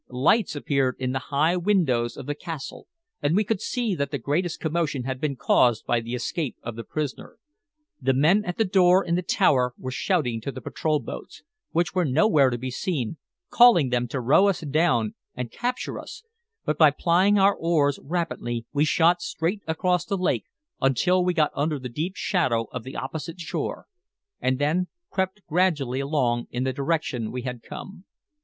Lights appeared in the high windows of the castle, and we could see that the greatest commotion had been caused by the escape of the prisoner. The men at the door in the tower were shouting to the patrol boats, which were nowhere to be seen, calling them to row us down and capture us, but by plying our oars rapidly we shot straight across the lake until we got under the deep shadow of the opposite shore, and then crept gradually along in the direction we had come.